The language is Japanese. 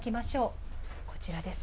こちらです。